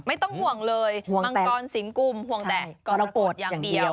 ไม่ต้องห่วงเลยมังกรสิงกุมห่วงแต่กรกฎอย่างเดียว